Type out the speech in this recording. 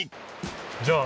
じゃあ。